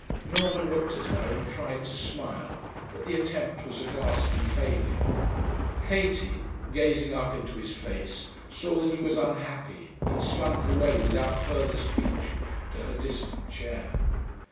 Norman looked at her and tried to smile, but the attempt was a ghastly failure. Katie, gazing up into his face, saw that he was unhappy, and slunk away, without further speech, to her distant chair.